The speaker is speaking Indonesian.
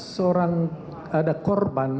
seorang ada korban